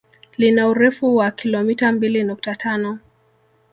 Lina urefu wa kilomita mbili nukta tano